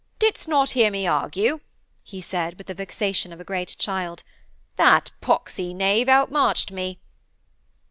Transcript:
'Didst not hear me argue!' he said, with the vexation of a great child. 'That poxy knave out marched me!'